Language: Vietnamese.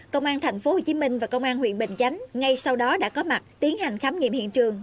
công an tp hcm và công an huyện bình chánh ngay sau đó đã có mặt tiến hành khám nghiệm hiện trường